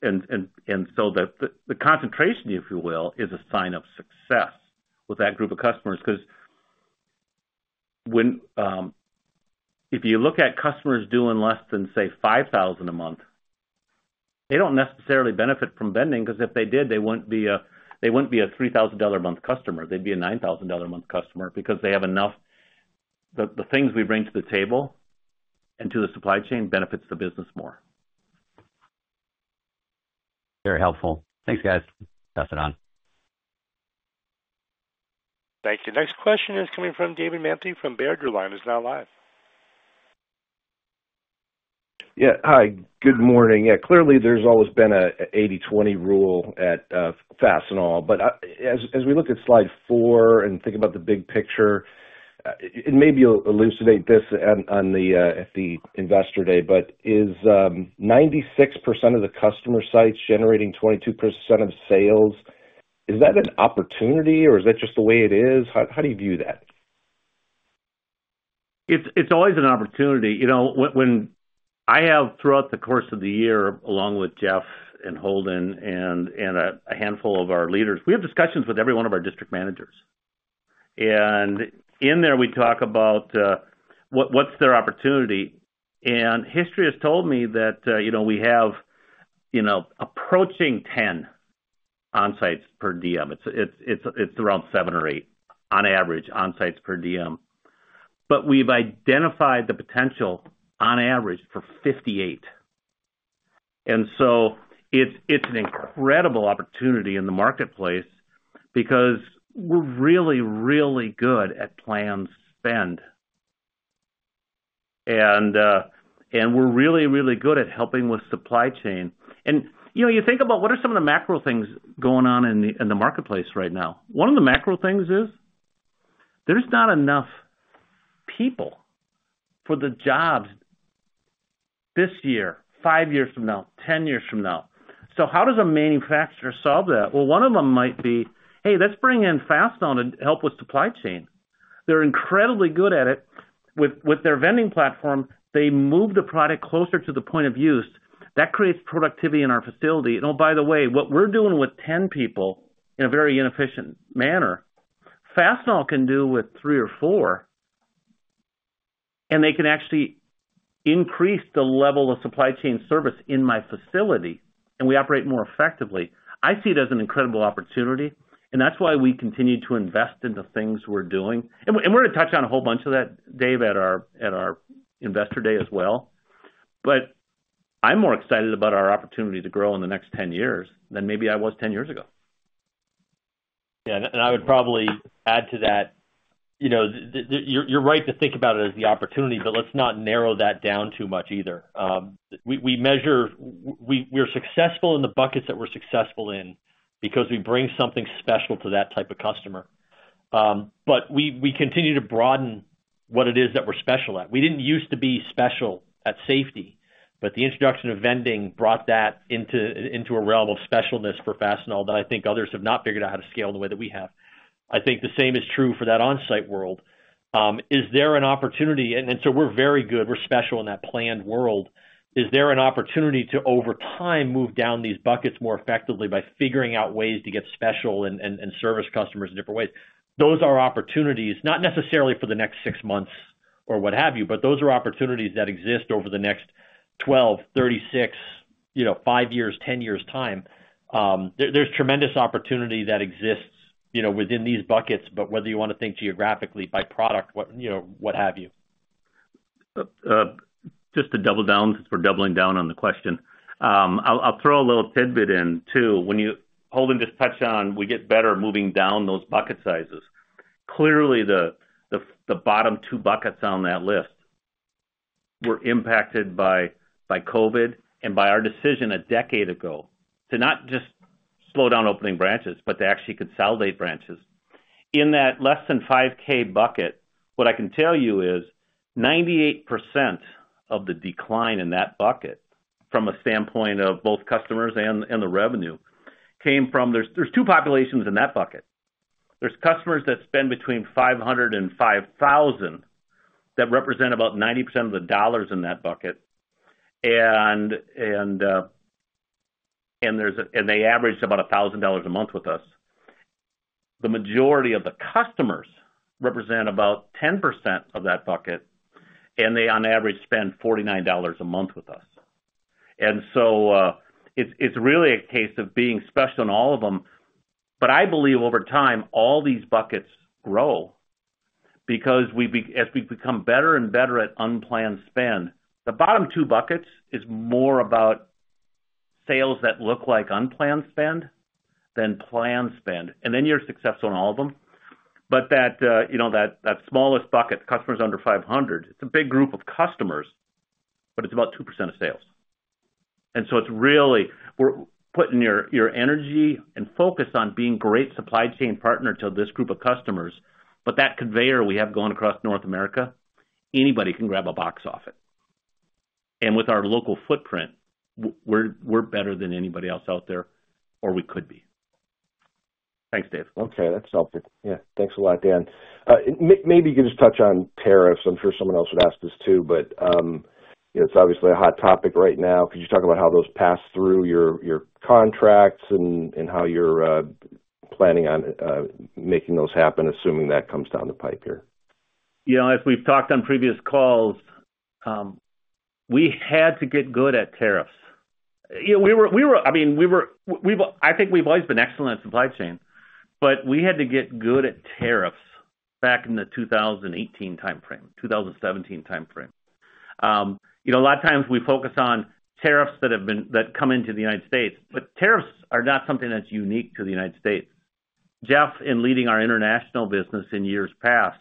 the concentration, if you will, is a sign of success with that group of customers. Because if you look at customers doing less than, say, 5,000 a month, they don't necessarily benefit from vending because if they did, they wouldn't be a $3,000 a month customer. They'd be a $9,000 a month customer because they have enough the things we bring to the table and to the supply chain benefits the business more. Very helpful. Thanks, guys. Toss it on. Thank you. Next question is coming from David Manthey from Baird. Your line is now live. Yeah. Hi. Good morning. Yeah. Clearly, there's always been an 80/20 rule at Fastenal. But as we look at slide four and think about the big picture, it may be elucidated at the investor day, but is 96% of the customer sites generating 22% of sales an opportunity, or is that just the way it is? How do you view that? It's always an opportunity. I have, throughout the course of the year, along with Jeff and Holden and a handful of our leaders, we have discussions with every one of our district managers, and in there, we talk about what's their opportunity, and history has told me that we have approaching 10 Onsites per DM. It's around seven or eight on average Onsites per DM, but we've identified the potential on average for 58, and so it's an incredible opportunity in the marketplace because we're really, really good at plan spend, and we're really, really good at helping with supply chain, and you think about what are some of the macro things going on in the marketplace right now. One of the macro things is there's not enough people for the jobs this year, five years from now, 10 years from now, so how does a manufacturer solve that? One of them might be, "Hey, let's bring in Fastenal to help with supply chain." They're incredibly good at it. With their vending platform, they move the product closer to the point of use. That creates productivity in our facility. And oh, by the way, what we're doing with 10 people in a very inefficient manner, Fastenal can do with three or four. And they can actually increase the level of supply chain service in my facility, and we operate more effectively. I see it as an incredible opportunity. And that's why we continue to invest in the things we're doing. And we're going to touch on a whole bunch of that, Dave, at our investor day as well. But I'm more excited about our opportunity to grow in the next 10 years than maybe I was 10 years ago. Yeah. And I would probably add to that, you're right to think about it as the opportunity, but let's not narrow that down too much either. We are successful in the buckets that we're successful in because we bring something special to that type of customer. But we continue to broaden what it is that we're special at. We didn't used to be special at safety, but the introduction of vending brought that into a realm of specialness for Fastenal that I think others have not figured out how to scale in the way that we have. I think the same is true for that Onsite world. Is there an opportunity? And so we're very good. We're special in that planned world. Is there an opportunity to, over time, move down these buckets more effectively by figuring out ways to get special and service customers in different ways? Those are opportunities, not necessarily for the next six months or what have you, but those are opportunities that exist over the next 12, 36, five years, 10 years' time. There's tremendous opportunity that exists within these buckets, but whether you want to think geographically, by product, what have you. Just to double down, since we're doubling down on the question, I'll throw a little tidbit in too. When you, Holden, just touched on we get better moving down those bucket sizes. Clearly, the bottom two buckets on that list were impacted by COVID and by our decision a decade ago to not just slow down opening branches, but to actually consolidate branches. In that less than 5K bucket, what I can tell you is 98% of the decline in that bucket from a standpoint of both customers and the revenue came from there's two populations in that bucket. There's customers that spend between 500 and 5,000 that represent about 90% of the dollars in that bucket, and they average about $1,000 a month with us. The majority of the customers represent about 10% of that bucket, and they on average spend $49 a month with us. And so it's really a case of being special in all of them. But I believe over time, all these buckets grow because as we become better and better at unplanned spend, the bottom two buckets is more about sales that look like unplanned spend than planned spend. And then you're successful in all of them. But that smallest bucket, customers under 500, it's a big group of customers, but it's about 2% of sales. And so it's really we're putting your energy and focus on being a great supply chain partner to this group of customers. But that conveyor we have going across North America, anybody can grab a box off it. And with our local footprint, we're better than anybody else out there, or we could be. Thanks, Dave. Okay. That's helpful. Yeah. Thanks a lot, Dan. Maybe you can just touch on tariffs. I'm sure someone else would ask this too, but it's obviously a hot topic right now. Could you talk about how those pass through your contracts and how you're planning on making those happen, assuming that comes down the pipe here? Yeah. As we've talked on previous calls, we had to get good at tariffs. I mean, I think we've always been excellent at supply chain, but we had to get good at tariffs back in the 2018 timeframe, 2017 timeframe. A lot of times, we focus on tariffs that come into the United States, but tariffs are not something that's unique to the United States. Jeff, in leading our international business in years past,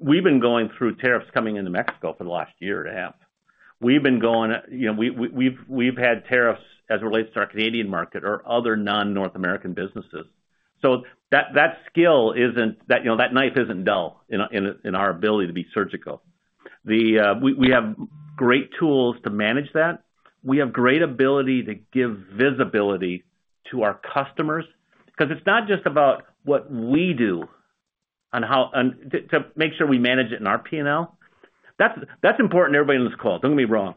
we've been going through tariffs coming into Mexico for the last year and a half. We've had tariffs as it relates to our Canadian market or other non-North American businesses. So that skill isn't, that knife isn't dull in our ability to be surgical. We have great tools to manage that. We have great ability to give visibility to our customers because it's not just about what we do to make sure we manage it in our P&L. That's important to everybody on this call. Don't get me wrong.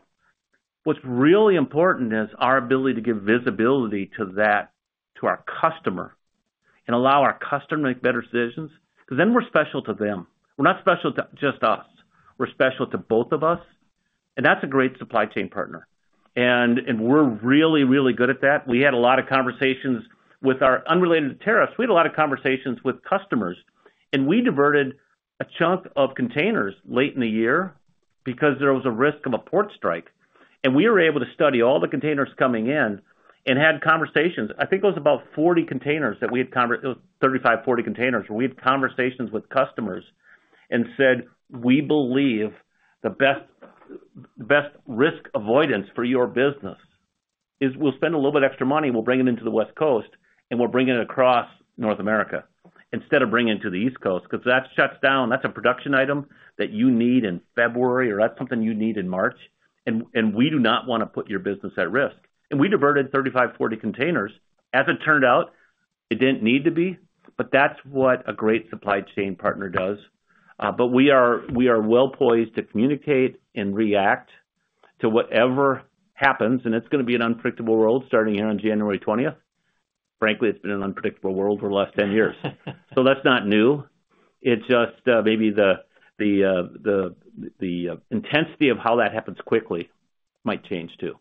What's really important is our ability to give visibility to our customer and allow our customer to make better decisions because then we're special to them. We're not special to just us. We're special to both of us, and that's a great supply chain partner. And we're really, really good at that. We had a lot of conversations with our suppliers unrelated to tariffs. We had a lot of conversations with customers, and we diverted a chunk of containers late in the year because there was a risk of a port strike. And we were able to study all the containers coming in and had conversations. I think it was about 40 containers that we had. It was 35, 40 containers where we had conversations with customers and said, "We believe the best risk avoidance for your business is we'll spend a little bit extra money. We'll bring it into the West Coast, and we'll bring it across North America instead of bringing it to the East Coast because that shuts down. That's a production item that you need in February, or that's something you need in March. And we do not want to put your business at risk," and we diverted 35, 40 containers. As it turned out, it didn't need to be, but that's what a great supply chain partner does, but we are well poised to communicate and react to whatever happens, and it's going to be an unpredictable world starting here on January 20th. Frankly, it's been an unpredictable world for the last 10 years. So that's not new. It's just maybe the intensity of how that happens quickly might change too.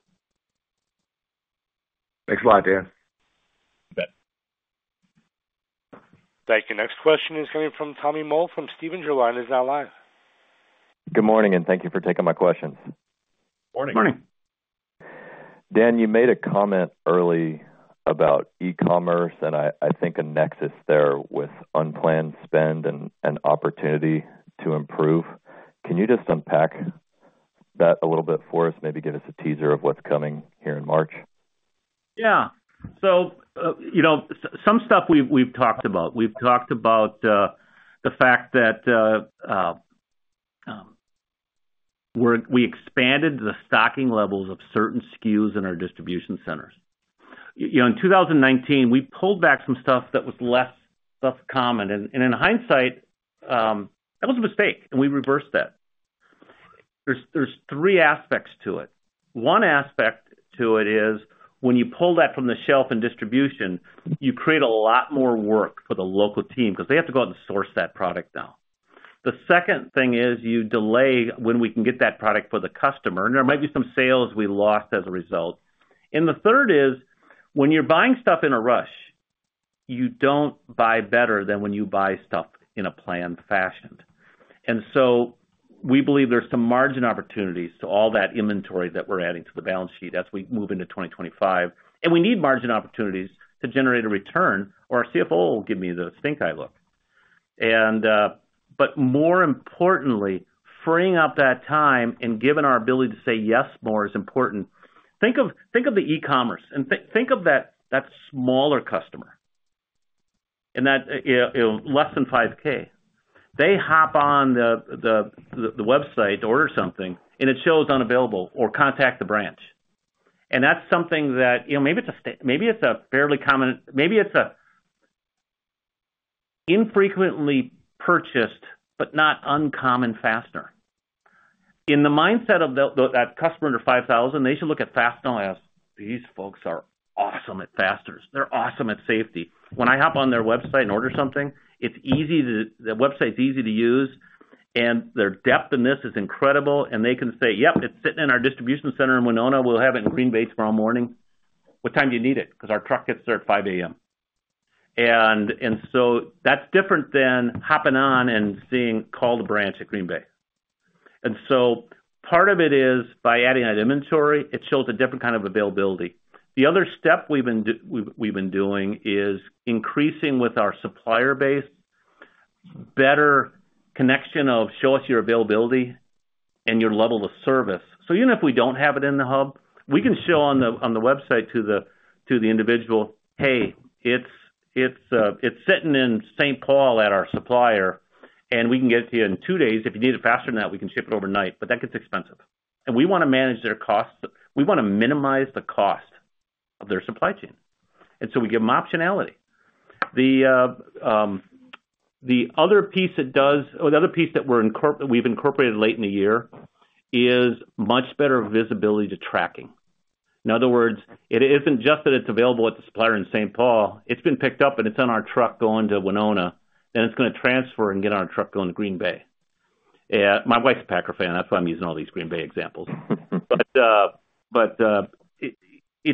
Thanks a lot, Dan. Thank you. Next question is coming from Tommy Moll from Stephens. Your line is now live. Good morning, and thank you for taking my questions. Morning. Morning. Dan, you made a comment early about e-commerce and I think a nexus there with unplanned spend and opportunity to improve. Can you just unpack that a little bit for us, maybe give us a teaser of what's coming here in March? Yeah. So some stuff we've talked about. We've talked about the fact that we expanded the stocking levels of certain SKUs in our distribution centers. In 2019, we pulled back some stuff that was less common. And in hindsight, that was a mistake, and we reversed that. There's three aspects to it. One aspect to it is when you pull that from the shelf in distribution, you create a lot more work for the local team because they have to go out and source that product now. The second thing is you delay when we can get that product for the customer, and there might be some sales we lost as a result. And the third is when you're buying stuff in a rush, you don't buy better than when you buy stuff in a planned fashion. And so we believe there's some margin opportunities to all that inventory that we're adding to the balance sheet as we move into 2025. And we need margin opportunities to generate a return or our CFO will give me the stink eye. But more importantly, freeing up that time and giving our ability to say yes more is important. Think of the e-commerce and think of that smaller customer in that less than 5K. They hop on the website to order something, and it shows unavailable or contact the branch. And that's something that maybe it's a fairly common maybe it's an infrequently purchased, but not uncommon fastener. In the mindset of that customer under 5,000, they should look at Fastenal as, "These folks are awesome at fasteners. They're awesome at safety. When I hop on their website and order something, the website's easy to use, and their depth in this is incredible. And they can say, "Yep, it's sitting in our distribution center in Winona. We'll have it in Green Bay tomorrow morning. What time do you need it? Because our truck gets there at 5:00 A.M." And so that's different than hopping on and seeing call the branch at Green Bay. And so part of it is by adding that inventory, it shows a different kind of availability. The other step we've been doing is increasing with our supplier base better connection of show us your availability and your level of service. So even if we don't have it in the hub, we can show on the website to the individual, "Hey, it's sitting in St. Paul. Pull at our supplier, and we can get it to you in two days. If you need it faster than that, we can ship it overnight." But that gets expensive. And we want to manage their costs. We want to minimize the cost of their supply chain. And so we give them optionality. The other piece it does or the other piece that we've incorporated late in the year is much better visibility to tracking. In other words, it isn't just that it's available at the supplier in St. Paul. It's been picked up, and it's on our truck going to Winona, then it's going to transfer and get on our truck going to Green Bay. My wife's a Packer fan. That's why I'm using all these Green Bay examples. But it's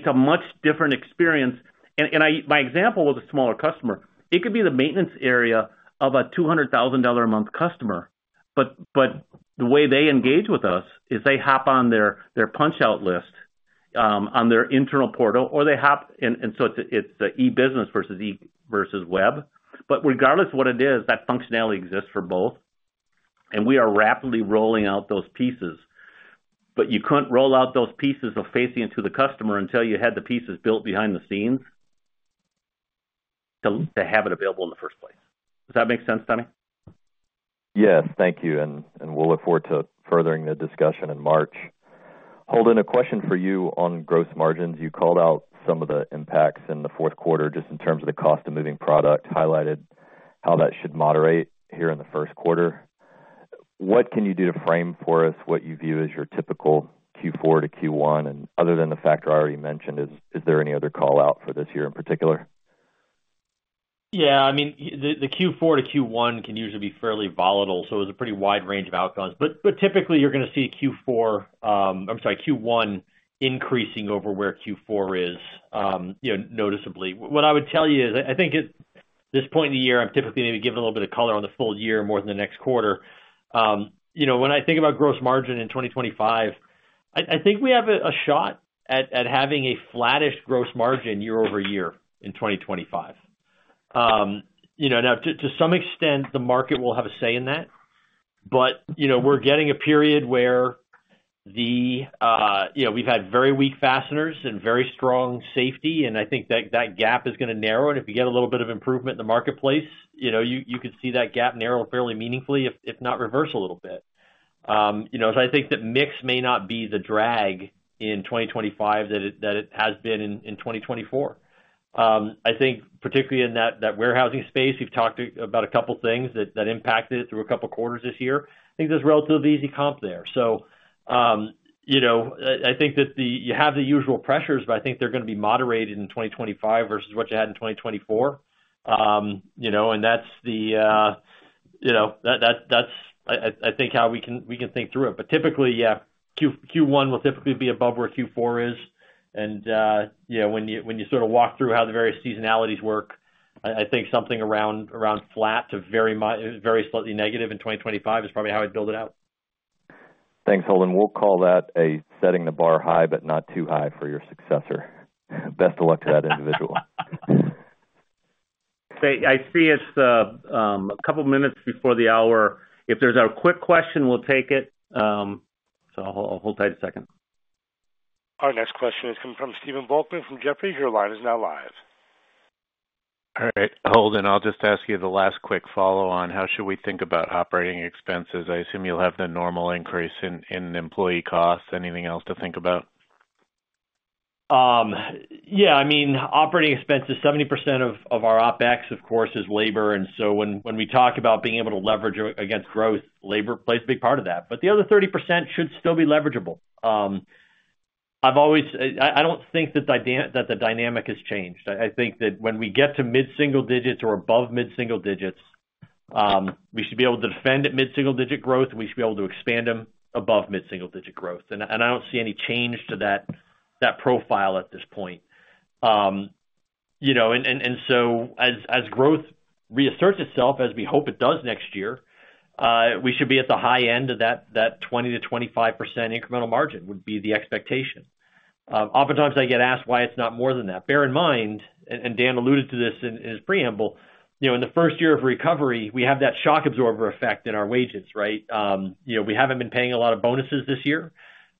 a much different experience. And my example was a smaller customer. It could be the maintenance area of a $200,000 a month customer. But the way they engage with us is they hop on their PunchOut list on their internal portal, or they hop and so it's e-business versus web. But regardless of what it is, that functionality exists for both. And we are rapidly rolling out those pieces. But you couldn't roll out those pieces of facing it to the customer until you had the pieces built behind the scenes to have it available in the first place. Does that make sense, Tommy? Yes. Thank you. And we'll look forward to furthering the discussion in March. Holden, a question for you on gross margins. You called out some of the impacts in the fourth quarter just in terms of the cost of moving product, highlighted how that should moderate here in the first quarter. What can you do to frame for us what you view as your typical Q4-Q1? And other than the factor I already mentioned, is there any other call-out for this year in particular? Yeah. I mean, the Q4-Q1 can usually be fairly volatile. So it was a pretty wide range of outcomes. But typically, you're going to see Q4, I'm sorry, Q1 increasing over where Q4 is noticeably. What I would tell you is I think at this point in the year, I'm typically going to be giving a little bit of color on the full year more than the next quarter. When I think about gross margin in 2025, I think we have a shot at having a flattish gross margin year over year in 2025. Now, to some extent, the market will have a say in that. But we're getting a period where we've had very weak fasteners and very strong safety. And I think that gap is going to narrow. And if you get a little bit of improvement in the marketplace, you could see that gap narrow fairly meaningfully, if not reverse a little bit. So I think that mix may not be the drag in 2025 that it has been in 2024. I think particularly in that warehousing space, we've talked about a couple of things that impacted it through a couple of quarters this year. I think there's relatively easy comp there. So I think that you have the usual pressures, but I think they're going to be moderated in 2025 versus what you had in 2024. And that's the, I think, how we can think through it. But typically, yeah, Q1 will typically be above where Q4 is. When you sort of walk through how the various seasonalities work, I think something around flat to very slightly negative in 2025 is probably how I'd build it out. Thanks, Holden. We'll call that setting the bar high, but not too high for your successor. Best of luck to that individual. I see it's a couple of minutes before the hour. If there's a quick question, we'll take it. So I'll hold tight a second. Our next question is coming from Stephen Volkmann from Jefferies. Your line is now live. All right. Holden, I'll just ask you the last quick follow-on. How should we think about operating expenses? I assume you'll have the normal increase in employee costs. Anything else to think about? Yeah. I mean, operating expenses, 70% of our OpEx, of course, is labor. And so when we talk about being able to leverage against growth, labor plays a big part of that. But the other 30% should still be leverageable. I don't think that the dynamic has changed. I think that when we get to mid-single digits or above mid-single digits, we should be able to defend at mid-single digit growth, and we should be able to expand them above mid-single digit growth. And I don't see any change to that profile at this point. And so as growth reasserts itself, as we hope it does next year, we should be at the high end of that 20%-25% incremental margin would be the expectation. Oftentimes, I get asked why it's not more than that. Bear in mind, and Dan alluded to this in his preamble, in the first year of recovery, we have that shock absorber effect in our wages, right? We haven't been paying a lot of bonuses this year.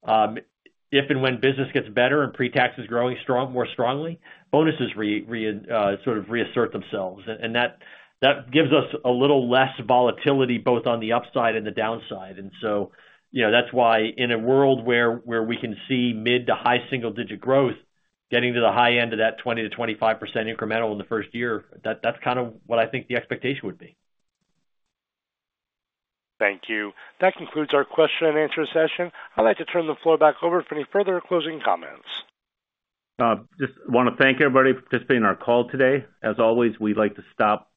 If and when business gets better and pre-tax is growing more strongly, bonuses sort of reassert themselves. And that gives us a little less volatility both on the upside and the downside. And so that's why in a world where we can see mid- to high single-digit growth getting to the high end of that 20%-25% incremental in the first year, that's kind of what I think the expectation would be. Thank you. That concludes our question and answer session. I'd like to turn the floor back over for any further closing comments. Just want to thank everybody for participating in our call today. As always, we'd like to stop,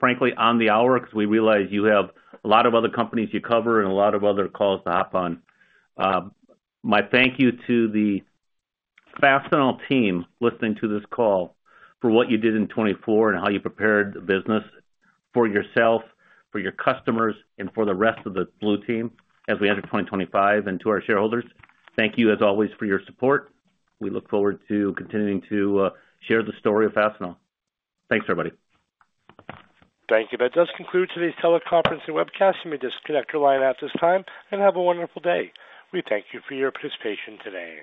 frankly, on the hour because we realize you have a lot of other companies you cover and a lot of other calls to hop on. My thank you to the Fastenal team listening to this call for what you did in 2024 and how you prepared the business for yourself, for your customers, and for the rest of the Blue Team as we enter 2025 and to our shareholders. Thank you, as always, for your support. We look forward to continuing to share the story of Fastenal. Thanks, everybody. Thank you. That does conclude today's teleconference and webcast. Let me just connect your line out at this time and have a wonderful day. We thank you for your participation today.